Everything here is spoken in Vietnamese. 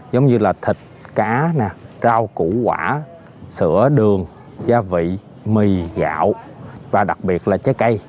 giống như là thịt cá rau củ quả sữa đường gia vị mì gạo và đặc biệt là trái cây